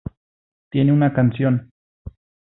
Tiene una canción.